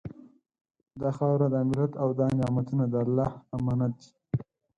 دا خاوره، دا ملت او دا نعمتونه د الله امانت دي